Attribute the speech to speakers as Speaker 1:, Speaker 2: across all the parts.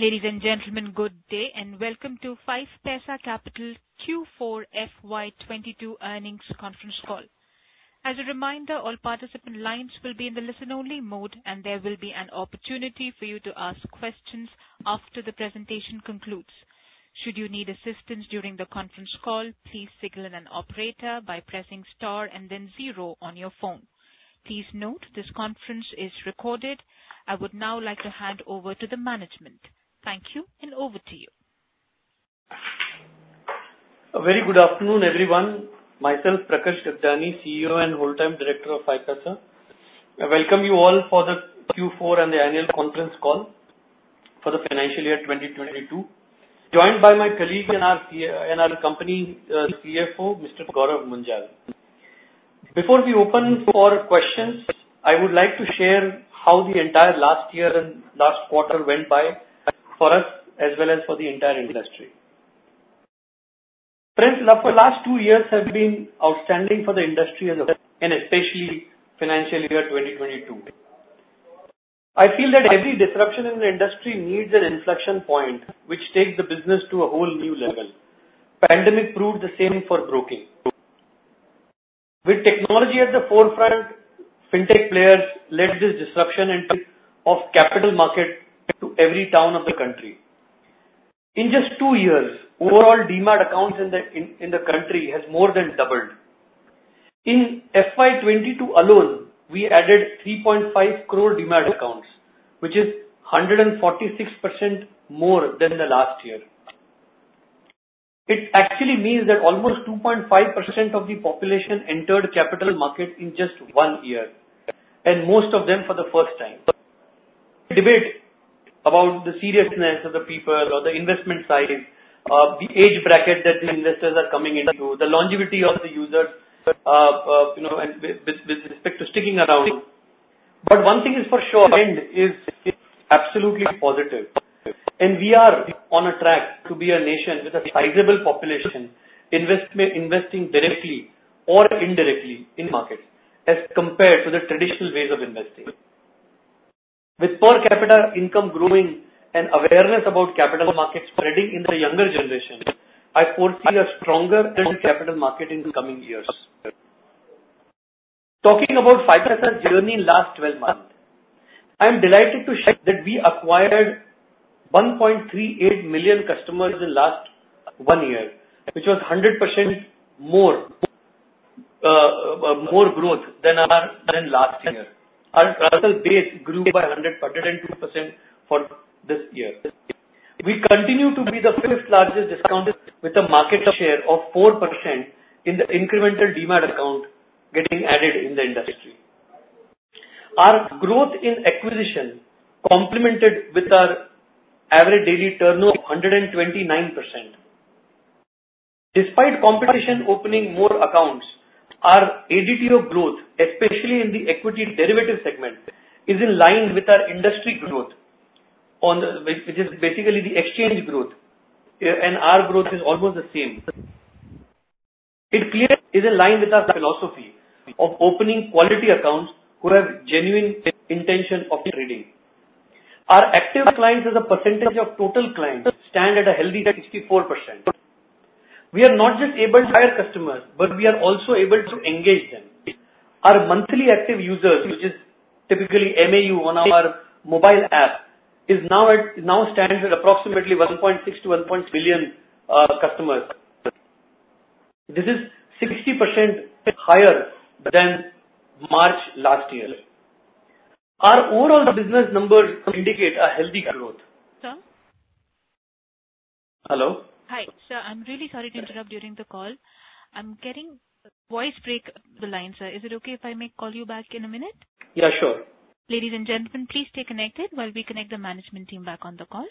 Speaker 1: Ladies and gentlemen, good day, and welcome to 5paisa Capital Q4 FY 2022 earnings conference call. As a reminder, all participant lines will be in the listen only mode, and there will be an opportunity for you to ask questions after the presentation concludes. Should you need assistance during the conference call, please signal an operator by pressing star and then zero on your phone. Please note this conference is recorded. I would now like to hand over to the management. Thank you, and over to you.
Speaker 2: A very good afternoon, everyone. Myself, Prakarsh Gagdani, CEO and Whole-Time Director of 5paisa. I welcome you all for the Q4 and the annual conference call for the financial year 2022. Joined by my colleague and our CFO, Mr. Gourav Munjal. Before we open for questions, I would like to share how the entire last year and last quarter went by for us as well as for the entire industry. Friends, the last two years have been outstanding for the industry as a whole, and especially financial year 2022. I feel that every disruption in the industry needs an inflection point which takes the business to a whole new level. Pandemic proved the same for broking. With technology at the forefront, fintech players led this disruptive entry of capital market to every town of the country. In just 2 years, overall Demat accounts in the country have more than doubled. In FY 22 alone, we added 3.5 crore Demat accounts, which is 146% more than the last year. It actually means that almost 2.5% of the population entered capital market in just one year, and most of them for the first time. Debate about the seriousness of the people or the investment side, the age bracket that the investors are coming into, the longevity of the users, and with respect to sticking around. One thing is for sure, trend is absolutely positive, and we are on a track to be a nation with a sizable population investing directly or indirectly in market as compared to the traditional ways of investing. With per capita income growing and awareness about capital markets spreading in the younger generation, I foresee a stronger capital market in the coming years. Talking about 5paisa journey last 12 months, I am delighted to share that we acquired 1.38 million customers in last 1 year, which was 100% more growth than last year. Our customer base grew by 102% for this year. We continue to be the fifth largest discount with a market share of 4% in the incremental Demat account getting added in the industry. Our growth in acquisition complemented with our average daily turnover of 129%. Despite competition opening more accounts, our ADTO growth, especially in the equity derivative segment, is in line with our industry growth on the. Which is basically the exchange growth and our growth is almost the same. It clearly is in line with our philosophy of opening quality accounts who have genuine intention of trading. Our active clients as a percentage of total clients stand at a healthy 64%. We are not just able to acquire customers, but we are also able to engage them. Our monthly active users, which is typically MAU on our mobile app, now stands at approximately 1.6 to 1 billion customers. This is 60% higher than March last year. Our overall business numbers indicate a healthy growth.
Speaker 1: Sir.
Speaker 2: Hello.
Speaker 1: Hi. Sir, I'm really sorry to interrupt during the call. I'm getting voice break the line, sir. Is it okay if I may call you back in a minute?
Speaker 2: Yeah, sure.
Speaker 1: Ladies and gentlemen, please stay connected while we connect the management team back on the call.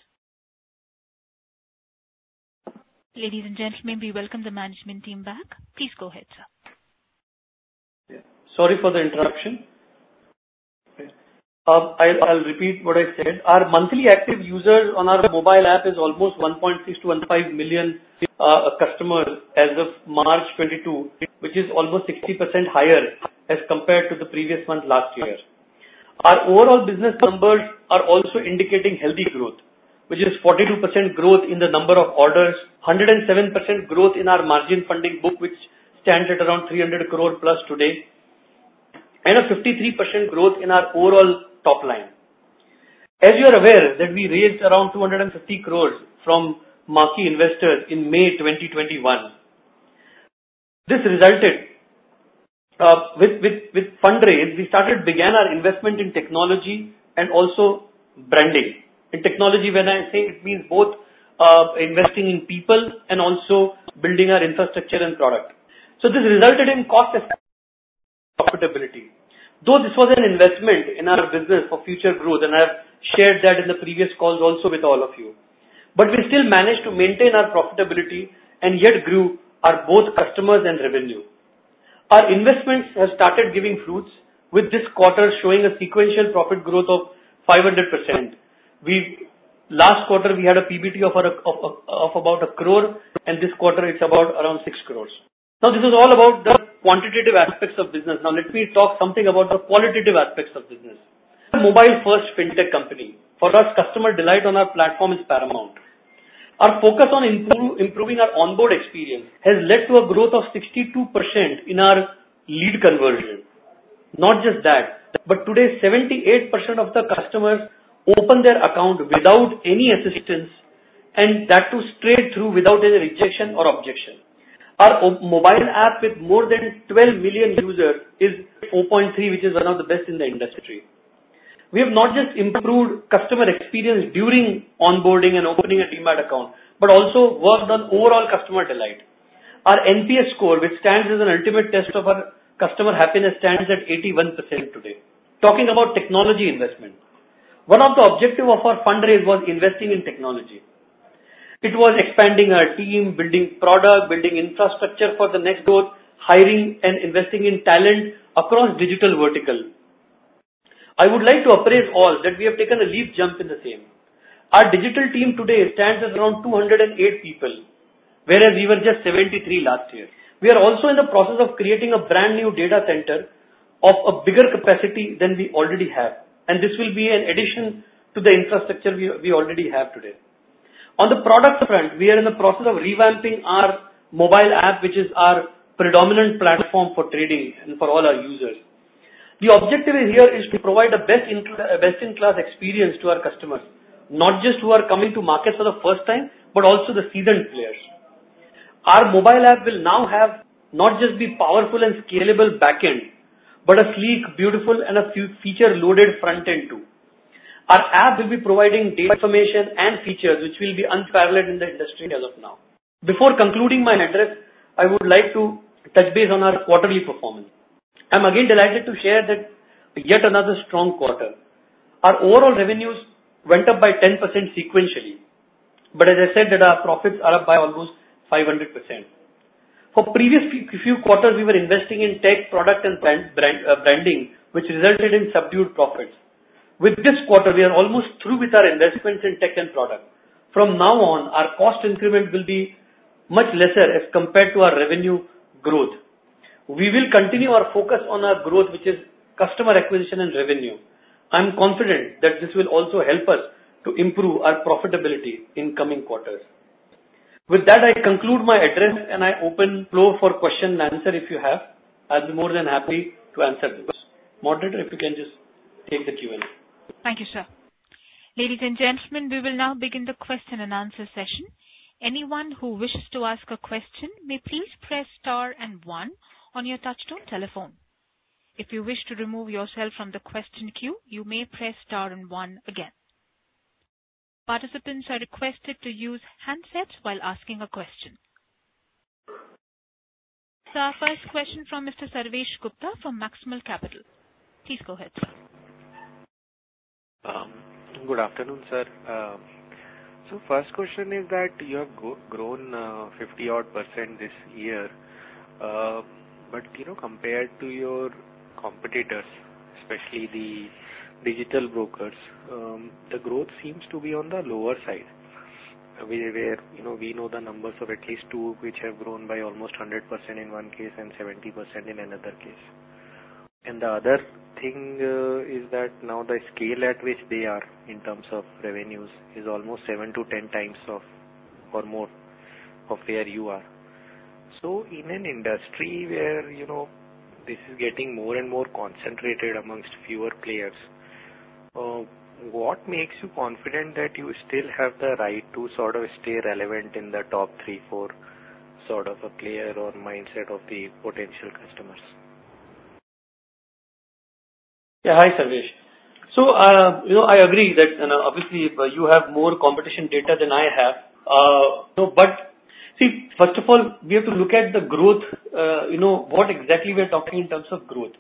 Speaker 1: Ladies and gentlemen, we welcome the management team back. Please go ahead, sir.
Speaker 2: Yeah. Sorry for the interruption. I'll repeat what I said. Our monthly active users on our mobile app is almost 1.6-1.5 million customers as of March 2022, which is almost 60% higher as compared to the previous month last year. Our overall business numbers are also indicating healthy growth, which is 42% growth in the number of orders, 107% growth in our margin funding book, which stands at around 300 crore plus today, and a 53% growth in our overall top line. As you are aware that we raised around 250 crore from marquee investors in May 2021. This resulted with fundraise, we began our investment in technology and also branding. In technology, when I say it means both, investing in people and also building our infrastructure and product. This resulted in cost profitability. Though this was an investment in our business for future growth, and I've shared that in the previous calls also with all of you, but we still managed to maintain our profitability and yet grew our both customers and revenue. Our investments have started giving fruits with this quarter showing a sequential profit growth of 500%. Last quarter, we had a PBT of about 1 crore, and this quarter it's about around 6 crores. Now, this is all about the quantitative aspects of business. Now let me talk something about the qualitative aspects of business. Mobile first Fintech company. For us, customer delight on our platform is paramount. Our focus on improving our onboard experience has led to a growth of 62% in our lead conversion. Not just that, but today 78% of the customers open their account without any assistance, and that too straight through without any rejection or objection. Our mobile app with more than 12 million users is 4.3, which is one of the best in the industry. We have not just improved customer experience during onboarding and opening a Demat account, but also worked on overall customer delight. Our NPS score, which stands as an ultimate test of our customer happiness, stands at 81% today. Talking about technology investment, one of the objectives of our fundraise was investing in technology. It was expanding our team, building product, building infrastructure for the next growth, hiring and investing in talent across digital vertical. I would like to apprise all that we have taken a leap jump in the same. Our digital team today stands at around 208 people, whereas we were just 73 last year. We are also in the process of creating a brand new data center of a bigger capacity than we already have, and this will be an addition to the infrastructure we already have today. On the product front, we are in the process of revamping our mobile app, which is our predominant platform for trading and for all our users. The objective here is to provide a best-in-class experience to our customers, not just who are coming to market for the first time, but also the seasoned players. Our mobile app will now have not just the powerful and scalable back-end, but a sleek, beautiful and a feature loaded front-end too. Our app will be providing data information and features which will be unparalleled in the industry as of now. Before concluding my address, I would like to touch base on our quarterly performance. I'm again delighted to share that yet another strong quarter. Our overall revenues went up by 10% sequentially. As I said that our profits are up by almost 500%. For previous few quarters, we were investing in tech, product and branding, which resulted in subdued profits. With this quarter, we are almost through with our investments in tech and product. From now on, our cost increment will be much lesser as compared to our revenue growth. We will continue our focus on our growth, which is customer acquisition and revenue. I'm confident that this will also help us to improve our profitability in coming quarters. With that, I conclude my address and I open floor for question-and-answer if you have. I'll be more than happy to answer those. Moderator, if you can just take the Q&A.
Speaker 1: Thank you, sir. Ladies and gentlemen, we will now begin the question-and-answer session. Anyone who wishes to ask a question may please press star and one on your touchtone telephone. If you wish to remove yourself from the question queue, you may press star and one again. Participants are requested to use handsets while asking a question. Our first question from Mr. Sarvesh Gupta from Maximal Capital. Please go ahead, sir.
Speaker 3: Good afternoon, sir. First question is that you have grown 50 odd percent this year. But, you know, compared to your competitors, especially the digital brokers, the growth seems to be on the lower side. Where, you know, we know the numbers of at least two of which have grown by almost 100% in one case and 70% in another case. The other thing is that now the scale at which they are in terms of revenues is almost 7-10 times of or more of where you are. In an industry where, you know, this is getting more and more concentrated amongst fewer players, what makes you confident that you still have the right to sort of stay relevant in the top three, four sort of a player or mindset of the potential customers?
Speaker 2: Yeah. Hi, Sarvesh. You know, I agree that, and obviously you have more competition data than I have. See, first of all, we have to look at the growth, you know, what exactly we're talking in terms of growth.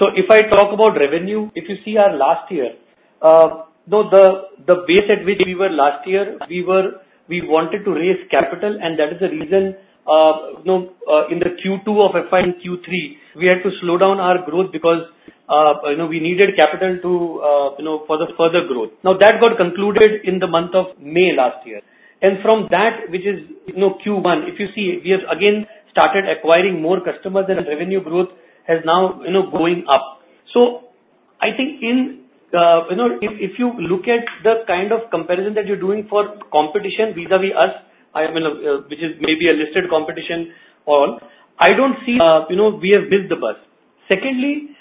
Speaker 2: If I talk about revenue, if you see our last year, though the base at which we were last year, we wanted to raise capital, and that is the reason, you know, in the Q2 of FY and Q3, we had to slow down our growth because, you know, we needed capital to, you know, for the further growth. Now, that got concluded in the month of May last year. From that, which is Q1, if you see, we have again started acquiring more customers and the revenue growth has now going up. I think if you look at the kind of comparison that you're doing for competition vis-à-vis us, I mean, which is maybe a listed competition or I don't see we have missed the bus. Secondly,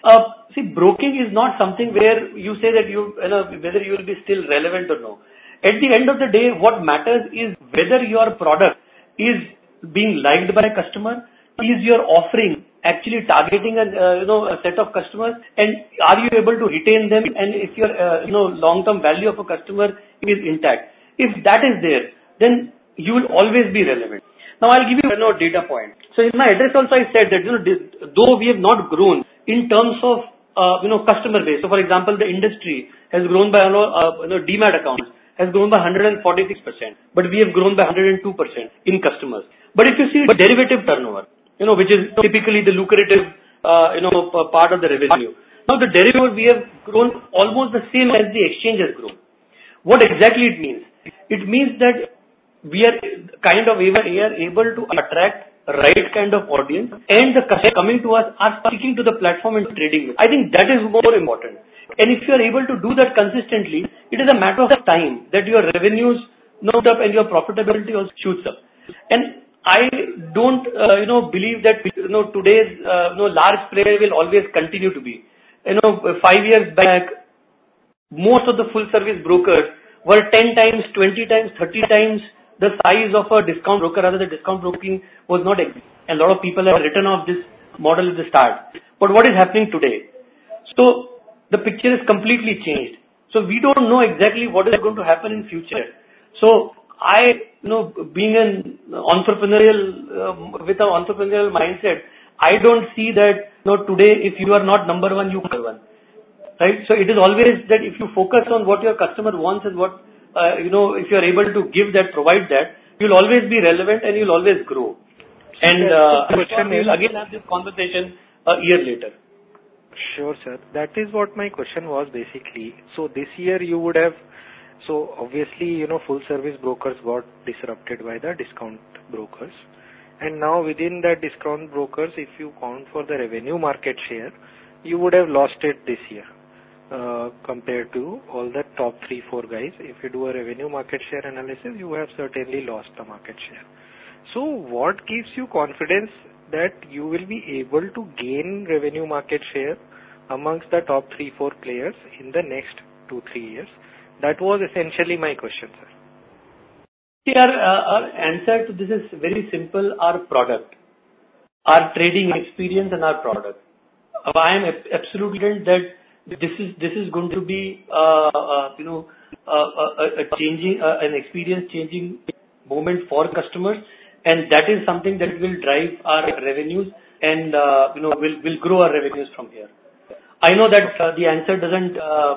Speaker 2: broking is not something where you say that you whether you will be still relevant or no. At the end of the day, what matters is whether your product is being liked by customer. Is your offering actually targeting a set of customers, and are you able to retain them? If your long-term value of a customer is intact. If that is there, then you will always be relevant. Now, I'll give you another data point. In my address also, I said that, you know, though we have not grown in terms of, you know, customer base. For example, the industry has grown by, you know, you know, Demat accounts has grown by 146%, but we have grown by 102% in customers. If you see the derivative turnover, you know, which is typically the lucrative, you know, part of the revenue. Now the derivative, we have grown almost the same as the exchange has grown. What exactly it means? It means that we are able to attract the right kind of audience, and the customers coming to us are sticking to the platform and trading. I think that is more important. If you are able to do that consistently, it is a matter of time that your revenues goes up and your profitability also shoots up. I don't, you know, believe that, you know, today's, you know, large player will always continue to be. You know, five years back, most of the full service brokers were 10 times, 20 times, 30 times the size of a discount broker. A lot of people have written off this model at the start. What is happening today? The picture is completely changed. We don't know exactly what is going to happen in future. I, you know, being an entrepreneurial, with an entrepreneurial mindset, I don't see that, you know, today if you are not number one, you
Speaker 3: Sure, sir. That is what my question was basically. Obviously, you know, full service brokers got disrupted by the discount brokers. Now within the discount brokers, if you account for the revenue market share, you would have lost it this year, compared to all the top three, four guys. If you do a revenue market share analysis, you have certainly lost the market share. What gives you confidence that you will be able to gain revenue market share among the top three, four players in the next two, three years? That was essentially my question, sir.
Speaker 2: Our answer to this is very simple. Our product. Our trading experience and our product. I am absolutely certain that this is going to be, you know, an experience-changing moment for customers, and that is something that will drive our revenues and, you know, will grow our revenues from here. I know that the answer doesn't,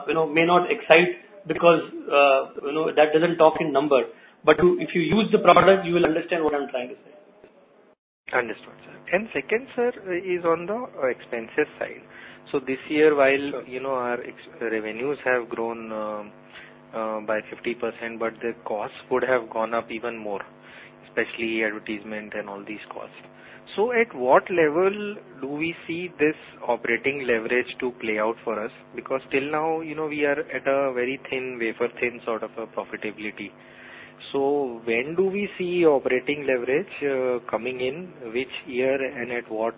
Speaker 2: you know, may not excite because, you know, that doesn't talk in number. If you use the product, you will understand what I'm trying to say.
Speaker 3: Understood, sir. Second, sir, is on the expenses side. This year, while, you know, our revenues have grown by 50%, but the cost would have gone up even more, especially advertisement and all these costs. At what level do we see this operating leverage to play out for us? Because till now, you know, we are at a very thin, wafer-thin sort of a profitability. When do we see operating leverage coming in, which year and at what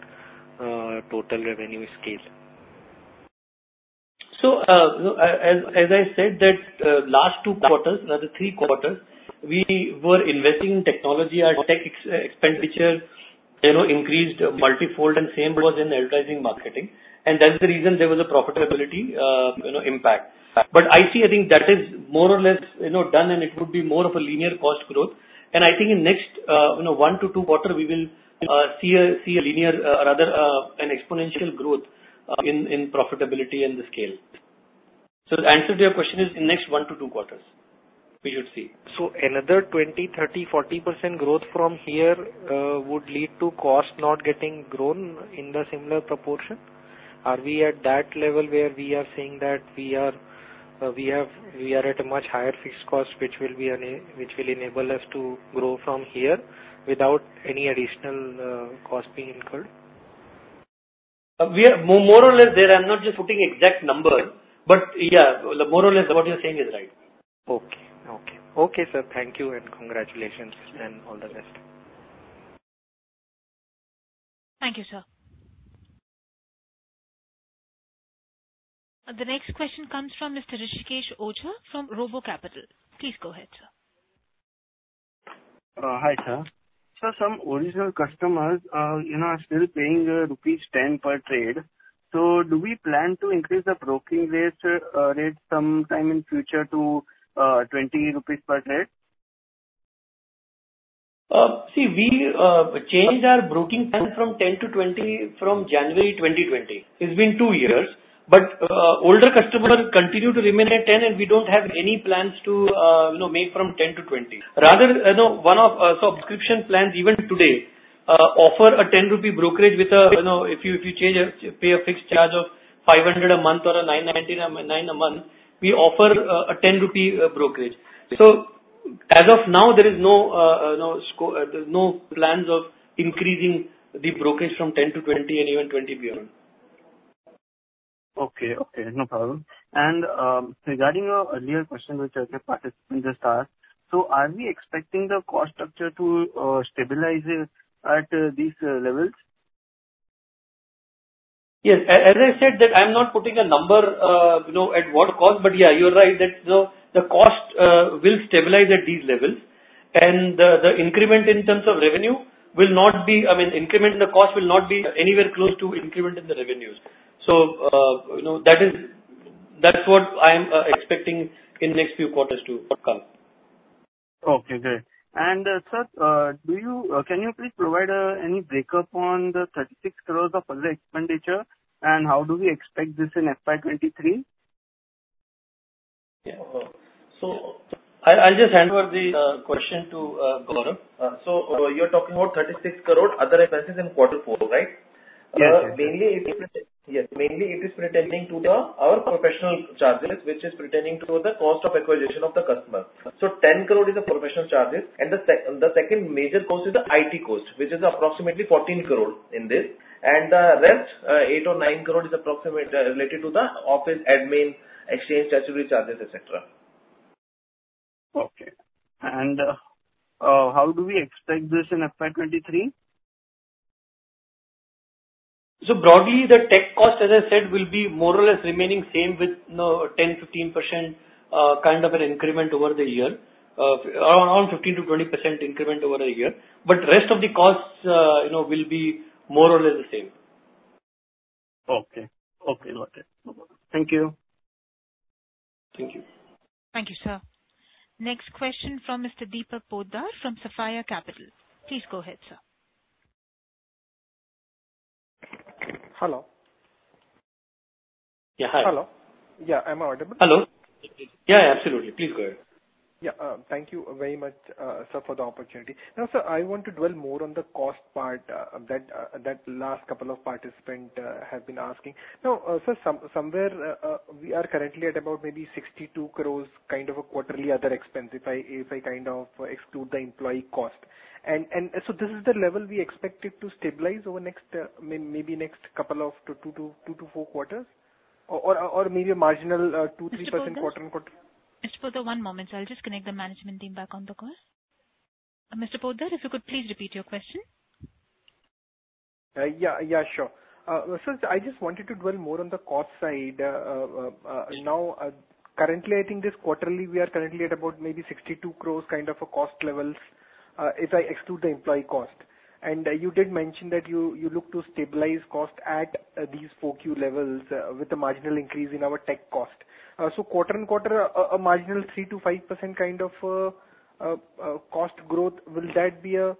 Speaker 3: total revenue scale?
Speaker 2: As I said that last two quarters, rather three quarters, we were investing in technology. Our tech expenditure, you know, increased multifold, and same was in advertising, marketing. That's the reason there was a profitability, you know, impact. I see, I think that is more or less, you know, done and it would be more of a linear cost growth. I think in next, you know, one to two quarter, we will see a linear or rather an exponential growth in profitability and the scale. The answer to your question is in next one to two quarters, we should see.
Speaker 3: Another 20, 30, 40% growth from here would lead to cost not getting grown in the similar proportion? Are we at that level where we are saying that we have a much higher fixed cost which will enable us to grow from here without any additional cost being incurred?
Speaker 2: We are more or less there. I'm not just putting exact number, but yeah, more or less what you're saying is right.
Speaker 3: Okay, sir. Thank you and congratulations and all the best.
Speaker 1: Thank you, sir. The next question comes from Mr. Rishikesh Oza from RoboCapital. Please go ahead, sir.
Speaker 4: Hi, sir. Sir, some original customers are, you know, still paying rupees 10 per trade. Do we plan to increase the broking rates sometime in future to INR 20 per trade?
Speaker 2: See, we changed our broking plan from 10 to 20 from January 2020. It's been two years. Older customer continue to remain at 10, and we don't have any plans to, you know, make from 10 to 20. Rather, you know, one of subscription plans even today offer a 10 rupee brokerage with a, you know, if you pay a fixed charge of 500 a month or 999 a month, we offer a 10 rupee brokerage. As of now, there is no plans of increasing the brokerage from 10 to 20 and even 20 beyond.
Speaker 4: Okay. No problem. Regarding your earlier question, which other participant just asked, so are we expecting the cost structure to stabilize at these levels?
Speaker 2: Yes. As I said that I'm not putting a number, you know, at what cost, but yeah, you're right that the cost will stabilize at these levels. The increment in terms of revenue will not be, I mean, increment in the cost will not be anywhere close to increment in the revenues. You know, that's what I'm expecting in next few quarters to come.
Speaker 4: Okay, great. Sir, can you please provide any breakup on the 36 crore of other expenditure, and how do we expect this in FY 2023?
Speaker 2: I'll just hand over the question to Gourav. You're talking about 36 crore other expenses in quarter four, right?
Speaker 5: Yes.
Speaker 2: Mainly it is. Yes, mainly it is pertaining to our professional charges, which is pertaining to the cost of acquisition of the customer. 10 crore is the professional charges, and the second major cost is the IT cost, which is approximately 14 crore in this. The rest, 8 or 9 crore is approximate, related to the office admin, exchange, statutory charges, et cetera.
Speaker 5: Okay. How do we expect this in FY 2023?
Speaker 2: Broadly, the tech cost, as I said, will be more or less remaining same with, you know, 10, 15% kind of an increment over the year. Around 15%-20% increment over a year, but rest of the costs, you know, will be more or less the same.
Speaker 5: Okay. Okay, got it. No problem. Thank you.
Speaker 2: Thank you.
Speaker 1: Thank you, sir. Next question from Mr. Deepak Poddar from Sapphire Capital. Please go ahead, sir.
Speaker 6: Hello.
Speaker 2: Yeah, hi.
Speaker 6: Hello. Yeah, am I audible?
Speaker 2: Hello. Yeah, absolutely. Please go ahead.
Speaker 6: Yeah. Thank you very much, sir, for the opportunity. Now, sir, I want to dwell more on the cost part that last couple of participants have been asking. Now, sir, somewhere we are currently at about maybe 62 crore kind of a quarterly other expense if I kind of exclude the employee cost. This is the level we expected to stabilize over next maybe next couple of 2-4 quarters or maybe a marginal 2-3% quarter on quarter.
Speaker 1: Mr. Poddar. Mr. Poddar, one moment. I'll just connect the management team back on the call. Mr. Poddar, if you could please repeat your question.
Speaker 6: I just wanted to dwell more on the cost side. Now, currently, I think this quarter we are currently at about maybe 62 crore kind of cost levels, if I exclude the employee cost. You did mention that you look to stabilize costs at these 4Q levels with a marginal increase in our tech cost. Quarter-on-quarter a marginal 3%-5% kind of cost growth, will that be a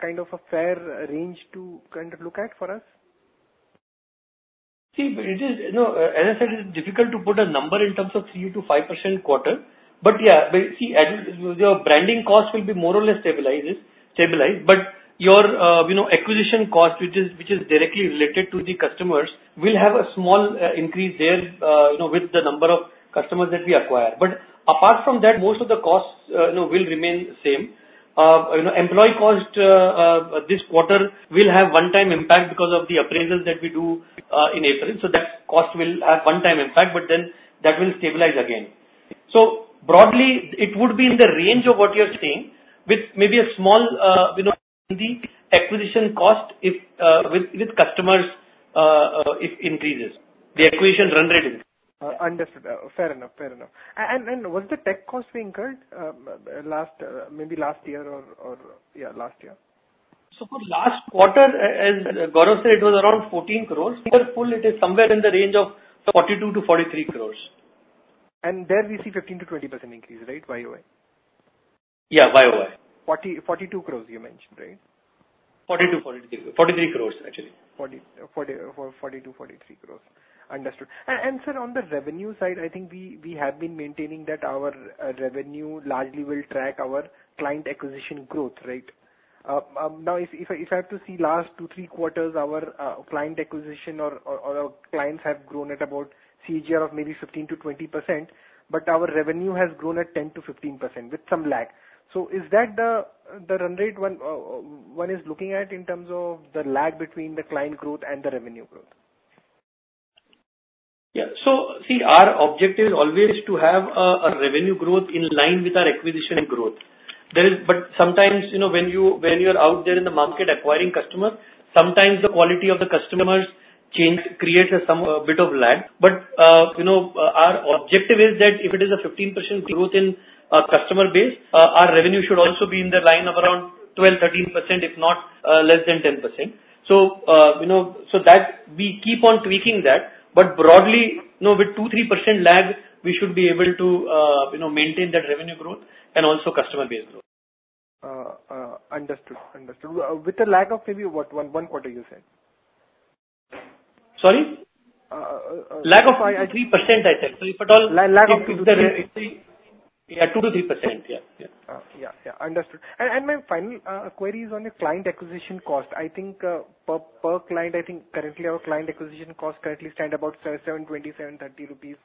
Speaker 6: kind of a fair range to look at for us?
Speaker 2: See, it is. You know, as I said, it's difficult to put a number in terms of 3%-5% quarter. Your branding cost will be more or less stabilized. Your, you know, acquisition cost, which is directly related to the customers, will have a small increase there, you know, with the number of customers that we acquire. Apart from that, most of the costs, you know, will remain the same. You know, employee cost, this quarter will have one-time impact because of the appraisals that we do in April. That cost will have one-time impact, but then that will stabilize again. Broadly, it would be in the range of what you are saying with maybe a small, you know, the acquisition cost if with customers if increases. The acquisition run rate increases.
Speaker 6: Understood. Fair enough. Was the tech cost we incurred last, maybe last year? Yeah, last year.
Speaker 2: For last quarter, as Gaurav said, it was around 14 crores. Full year it is somewhere in the range of 42-43 crores.
Speaker 6: There we see 15%-20% increase, right? YOY.
Speaker 2: Yeah, YOY.
Speaker 6: 40-42 crores you mentioned, right?
Speaker 2: 42, 43. 43 crores, actually.
Speaker 6: 42 crore, 43 crore. Understood. Sir, on the revenue side, I think we have been maintaining that our revenue largely will track our client acquisition growth, right? Now if I have to see last two, three quarters, our client acquisition or our clients have grown at about CAGR of maybe 15%-20%, but our revenue has grown at 10%-15% with some lag. Is that the run rate one is looking at in terms of the lag between the client growth and the revenue growth?
Speaker 2: See, our objective is always to have a revenue growth in line with our acquisition growth. Sometimes, you know, when you are out there in the market acquiring customers, sometimes the quality of the customers change creates a bit of lag. You know, our objective is that if it is a 15% growth in our customer base, our revenue should also be in line with around 12%-13%, if not less than 10%. You know, so that we keep on tweaking that, but broadly, you know, with 2%-3% lag, we should be able to, you know, maintain that revenue growth and also customer base growth.
Speaker 6: Understood. With a lag of maybe what? 1 quarter you said.
Speaker 2: Sorry? Lag of 3% I said. If at all-
Speaker 6: Lag of 3%.
Speaker 2: Yeah, 2%-3%. Yeah, yeah.
Speaker 6: Yeah. Understood. My final query is on your client acquisition cost. I think, per client, I think currently our client acquisition cost currently stand about 720-730 rupees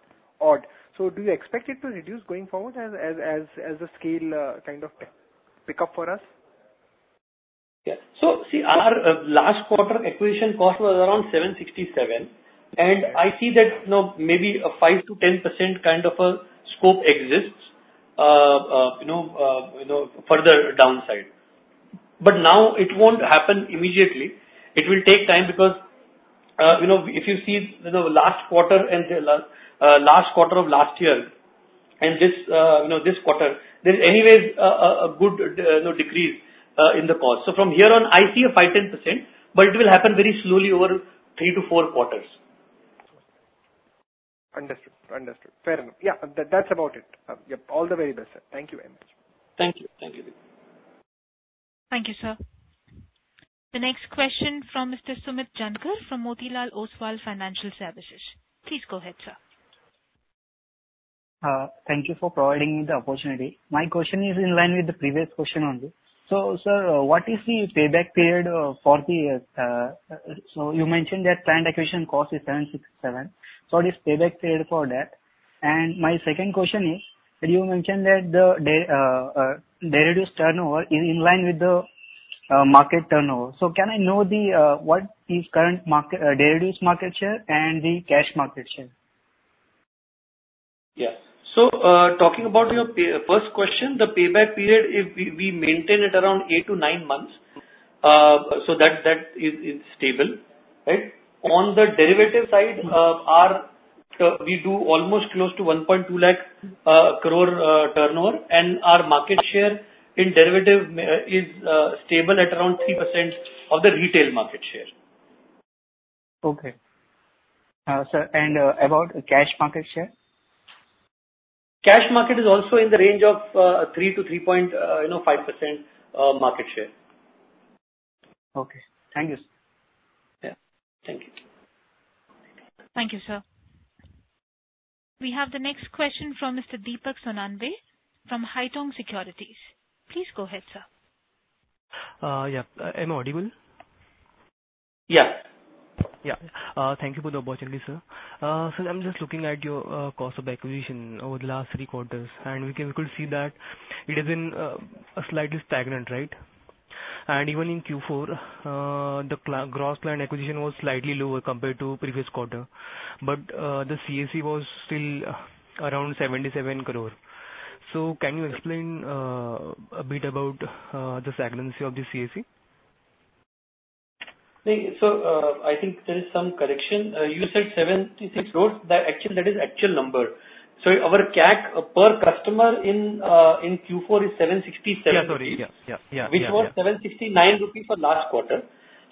Speaker 6: odd. Do you expect it to reduce going forward as the scale kind of pick up for us?
Speaker 2: Yeah. See, our last quarter acquisition cost was around 767. I see that, you know, maybe a 5%-10% kind of a scope exists, you know, further downside. Now it won't happen immediately. It will take time because, you know, if you see, you know, last quarter and last quarter of last year and this, you know, this quarter, there's anyways a good, you know, decrease in the cost. From here on, I see a 5%-10%, but it will happen very slowly over three to four quarters.
Speaker 6: Understood. Fair enough. Yeah. That's about it. Yep. All the very best, sir. Thank you very much.
Speaker 2: Thank you. Thank you.
Speaker 1: Thank you, sir. The next question from Mr. Sumit Jangra from Motilal Oswal Financial Services. Please go ahead, sir.
Speaker 7: Thank you for providing me the opportunity. My question is in line with the previous question only. Sir, what is the payback period for the? You mentioned that client acquisition cost is 767. What is payback period for that? My second question is that you mentioned that the derivatives turnover is in line with the market turnover. Can I know what is current market derivatives market share and the cash market share?
Speaker 2: Talking about the payback period, we maintain it around 8-9 months. That is stable, right? On the derivatives side, we do almost close to 1.2 lakh crore turnover. Our market share in the derivatives market is stable at around 3% of the retail market share.
Speaker 7: Okay. Sir, and about cash market share?
Speaker 2: Cash market is also in the range of 3%-3.5% of market share.
Speaker 7: Okay. Thank you, sir.
Speaker 2: Yeah. Thank you.
Speaker 1: Thank you, sir. We have the next question from Mr. Deepak Sonawane from Haitong Securities. Please go ahead, sir.
Speaker 8: Yeah. Am I audible?
Speaker 2: Yeah.
Speaker 8: Yeah. Thank you for the opportunity, sir. Sir, I'm just looking at your cost of acquisition over the last three quarters, and we can see that it is slightly stagnant, right? Even in Q4, the gross client acquisition was slightly lower compared to previous quarter. The CAC was still around 77 crore. So can you explain a bit about the stagnancy of the CAC?
Speaker 2: I think there is some correction. You said 76 crore. That is actual number. Our CAC per customer in Q4 is 767-
Speaker 8: Yeah. Sorry. Yeah.
Speaker 2: Which was 769 rupees for last quarter.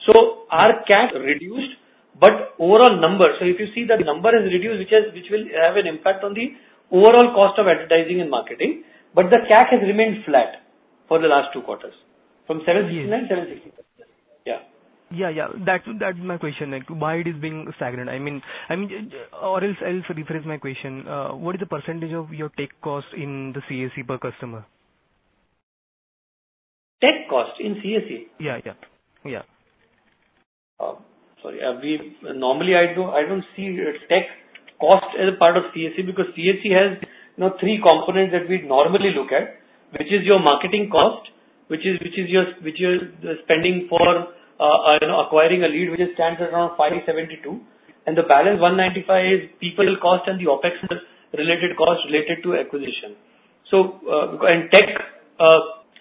Speaker 2: Our CAC reduced, but overall number. If you see the number has reduced, which will have an impact on the overall cost of advertising and marketing. The CAC has remained flat for the last two quarters, from 769, 767. Yeah.
Speaker 8: Yeah. That's my question. Like, why it is being stagnant? I mean, or else I'll rephrase my question. What is the percentage of your tech cost in the CAC per customer?
Speaker 2: Tech cost in CAC?
Speaker 8: Yeah, yeah. Yeah.
Speaker 2: Sorry. Normally I don't see tech cost as a part of CAC because CAC has you know three components that we'd normally look at, which is your marketing cost, which is spending for you know acquiring a lead, which stands around 572. The balance 195 is people cost and the OpEx related costs related to acquisition. Tech,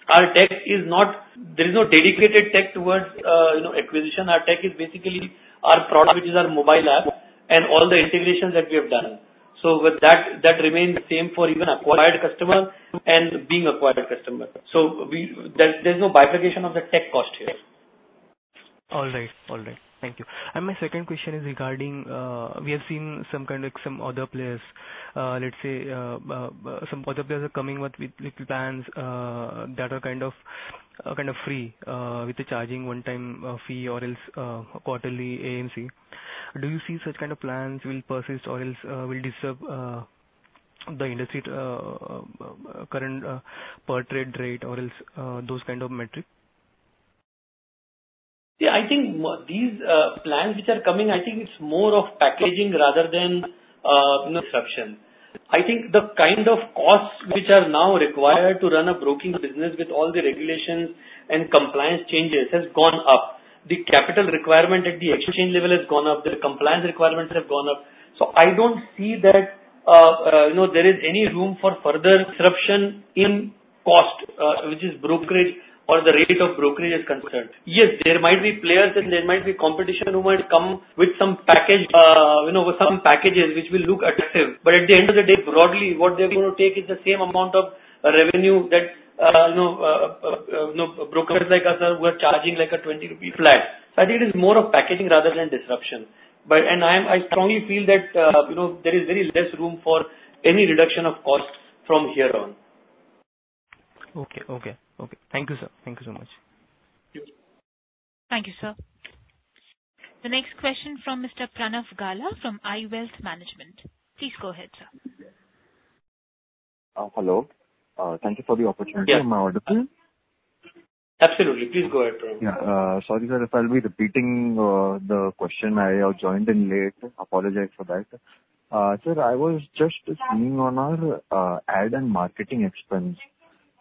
Speaker 2: our tech is not. There is no dedicated tech towards you know acquisition. Our tech is basically our product, which is our mobile app and all the integrations that we have done. With that remains same for even acquired customer and being acquired customer. There's no bifurcation of the tech cost here.
Speaker 8: All right. Thank you. My second question is regarding, we have seen some kind of other players, let's say, some other players are coming with plans that are kind of free, with them charging one-time fee or else, quarterly AMC. Do you see such kind of plans will persist or else, will disturb the industry current per trade rate or else, those kind of metric?
Speaker 2: Yeah, I think these plans which are coming. I think it's more of packaging rather than, you know, disruption. I think the kind of costs which are now required to run a broking business with all the regulations and compliance changes has gone up. The capital requirement at the exchange level has gone up. The compliance requirements have gone up. I don't see that, you know, there is any room for further disruption in cost, which is brokerage or the rate of brokerage is concerned. Yes, there might be players and there might be competition who might come with some package, you know, with some packages which will look attractive. At the end of the day, broadly, what they're gonna take is the same amount of revenue that, you know, brokers like us were charging like a 20 rupee flat. I think it is more of packaging rather than disruption. I strongly feel that, you know, there is very less room for any reduction of costs from here on.
Speaker 8: Okay. Thank you, sir. Thank you so much.
Speaker 2: Thank you.
Speaker 1: Thank you, sir. The next question from Mr. Pranav Gala from iWealth Management. Please go ahead, sir.
Speaker 9: Hello. Thank you for the opportunity. Am I audible?
Speaker 2: Absolutely. Please go ahead, Pranav.
Speaker 9: Yeah. Sorry, sir, if I'll be repeating the question. I have joined in late. Apologize for that. Sir, I was just seeing on our ad and marketing expense.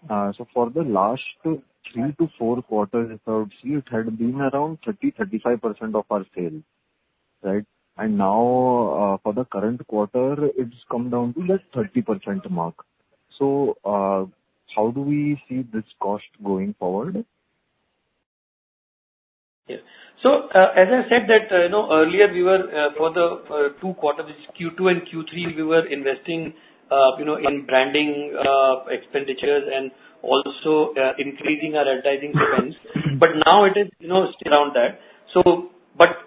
Speaker 9: For the last 3-4 quarters, if I would see, it had been around 30%-35% of our sales, right? Now, for the current quarter, it's come down to just 30% mark. How do we see this cost going forward?
Speaker 2: As I said that, you know, earlier, for the two quarters, which is Q2 and Q3, we were investing, you know, in branding expenditures and also increasing our advertising expense.
Speaker 9: Mm-hmm.
Speaker 2: Now it is, you know, still around that.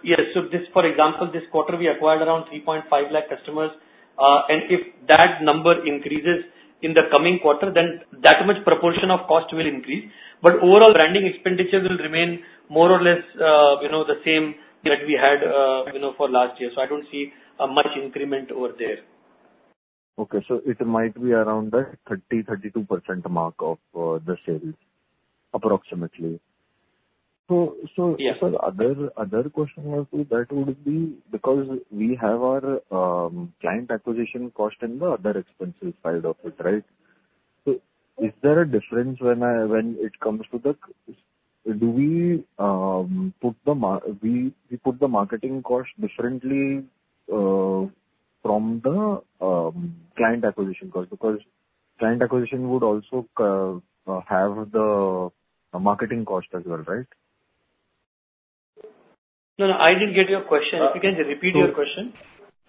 Speaker 2: Yes. This, for example, this quarter we acquired around 3.5 lakh customers. If that number increases in the coming quarter, then that much proportion of cost will increase. Overall, branding expenditure will remain more or less, you know, the same that we had, you know, for last year. I don't see much increment over there.
Speaker 9: It might be around 32% mark of the sales approximately.
Speaker 2: Yes.
Speaker 9: Sir, other question was to that would be because we have our client acquisition cost in the other expenses side of it, right? Is there a difference when it comes to, do we put the marketing cost differently from the client acquisition cost? Because client acquisition would also have the marketing cost as well, right?
Speaker 2: No, no, I didn't get your question. If you can repeat your question.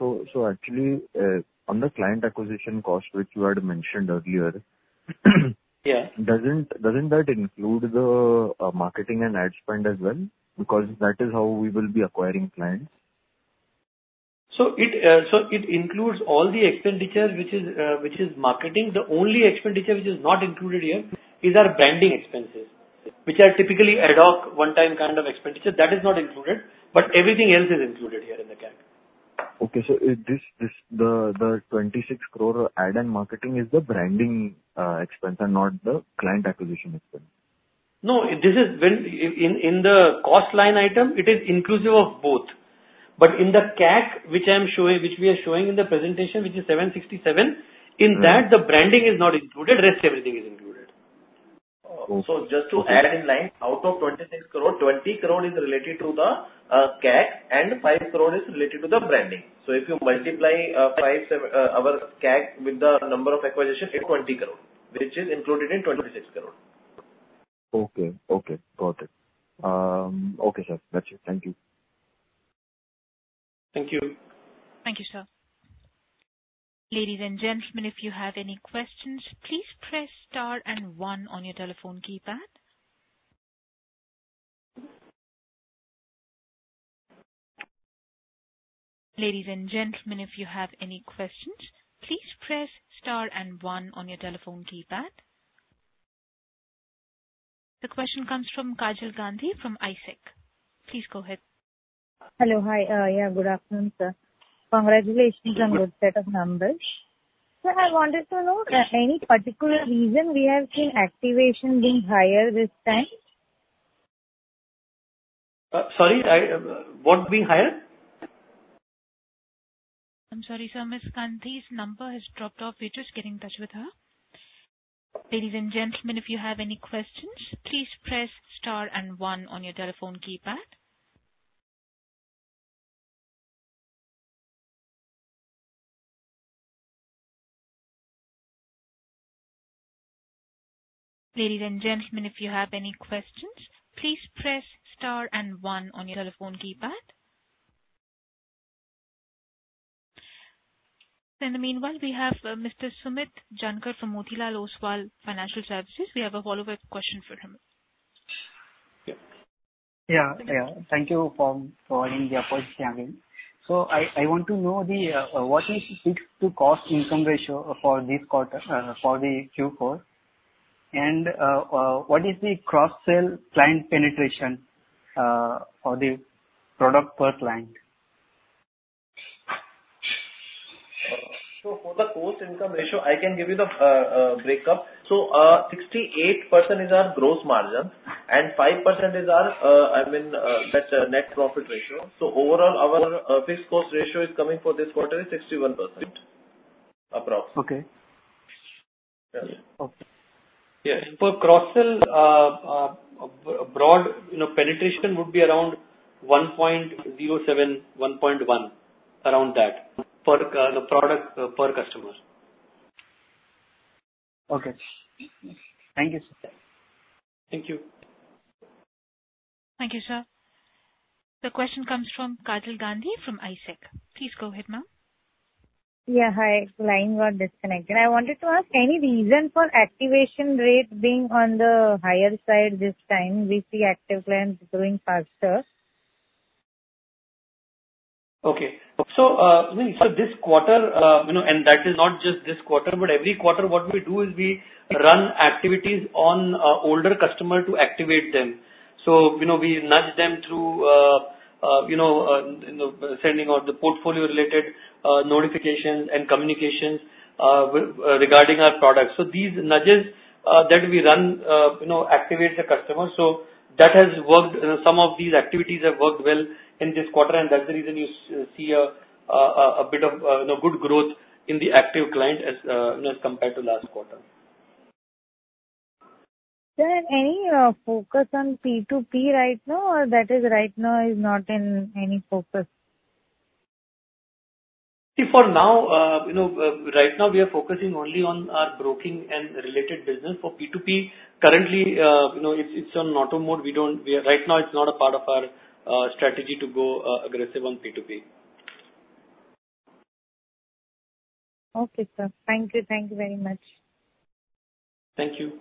Speaker 9: Actually, on the client acquisition cost which you had mentioned earlier.
Speaker 2: Yeah.
Speaker 9: Doesn't that include the marketing and ad spend as well? Because that is how we will be acquiring clients.
Speaker 2: It includes all the expenditures which is marketing. The only expenditure which is not included here is our branding expenses, which are typically ad hoc one-time kind of expenditure. That is not included, but everything else is included here in the CAC.
Speaker 9: The 26 crore ad and marketing is the branding expense and not the client acquisition expense.
Speaker 2: No, this is when in the cost line item it is inclusive of both. But in the CAC which I'm showing, which we are showing in the presentation which is 767-
Speaker 9: Right.
Speaker 2: In that the branding is not included, rest everything is included.
Speaker 9: Oh, okay.
Speaker 2: Just to add in line, out of 26 crore, 20 crore is related to the CAC and 5 crore is related to the branding. If you multiply our CAC with the number of acquisitions, it's 20 crore, which is included in 26 crore.
Speaker 9: Okay. Got it. Okay, sir. That's it. Thank you.
Speaker 2: Thank you.
Speaker 1: Thank you, sir. Ladies and gentlemen, if you have any questions, please press star and one on your telephone keypad. Ladies and gentlemen, if you have any questions, please press star and one on your telephone keypad. The question comes from Kajal Gandhi from ICICI Securities. Please go ahead.
Speaker 10: Hello. Hi. Yeah, good afternoon, sir. Congratulations on this set of numbers. Sir, I wanted to know any particular reason we have seen activation being higher this time?
Speaker 2: Sorry, what being higher?
Speaker 1: I'm sorry, sir. Ms. Gandhi's number has dropped off. We're just getting in touch with her. Ladies and gentlemen, if you have any questions, please press star and one on your telephone keypad. Ladies and gentlemen, if you have any questions, please press star and one on your telephone keypad. In the meanwhile, we have Mr. Sumit Jangra from Motilal Oswal Financial Services. We have a follow-up question for him.
Speaker 2: Yeah.
Speaker 7: Yeah. Yeah. Thank you for providing the approach, Jamnin. I want to know what is the fixed cost to income ratio for this quarter, for the Q4? And what is the cross-sell client penetration for the product per client?
Speaker 2: For the cost income ratio, I can give you the breakup. Sixty-eight percent is our gross margin and five percent is our, I mean, that net profit ratio. Overall, our fixed cost ratio is coming for this quarter is 61% approx.
Speaker 7: Okay.
Speaker 2: Yeah.
Speaker 7: Okay.
Speaker 2: Yes. For cross-sell, broad, you know, penetration would be around 1.07-1.1, around that per the product per customer.
Speaker 7: Okay. Thank you, sir.
Speaker 2: Thank you.
Speaker 1: Thank you, sir. The question comes from Kajal Gandhi from ICICI Securities. Please go ahead, ma'am.
Speaker 10: Yeah. Hi. Line got disconnected. I wanted to ask any reason for activation rate being on the higher side this time? We see active clients growing faster.
Speaker 2: Okay. I mean, this quarter, and that is not just this quarter, but every quarter what we do is we run activities on older customer to activate them. You know, we nudge them through you know sending out the portfolio related notifications and communications with regard to our products. These nudges that we run you know activate the customer. That has worked. Some of these activities have worked well in this quarter and that's the reason you see a bit of good growth in the active client as compared to last quarter.
Speaker 10: Sir, any focus on P2P right now or that is right now is not in any focus?
Speaker 2: For now, you know, right now we are focusing only on our broking and related business. For P2P currently, you know, it's on auto mode. Right now it's not a part of our strategy to go aggressive on P2P.
Speaker 10: Okay, sir. Thank you. Thank you very much.
Speaker 2: Thank you.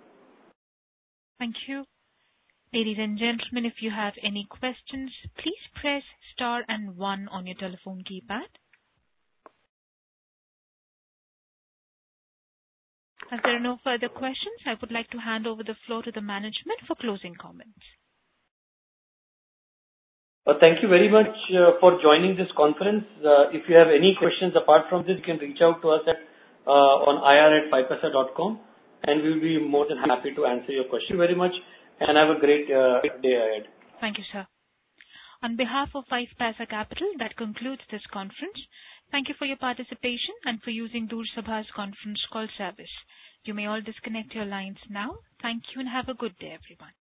Speaker 1: Thank you. Ladies and gentlemen, if you have any questions, please press star and one on your telephone keypad. As there are no further questions, I would like to hand over the floor to the management for closing comments.
Speaker 2: Thank you very much for joining this conference. If you have any questions apart from this, you can reach out to us at ir@5paisa.com, and we'll be more than happy to answer your question. Thank you very much and have a great day ahead.
Speaker 1: Thank you, sir. On behalf of 5paisa Capital, that concludes this conference. Thank you for your participation and for using Chorus Call Conference Call Service. You may all disconnect your lines now. Thank you and have a good day everyone.